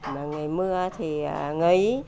mà nghề mưa thì nghỉ